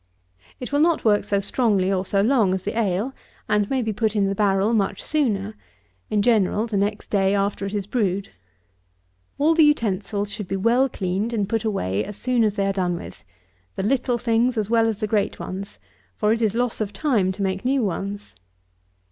It will not work so strongly or so long as the ale; and may be put in the barrel much sooner; in general the next day after it is brewed. 57. All the utensils should be well cleaned and put away as soon as they are done with; the little things as well as the great things; for it is loss of time to make new ones.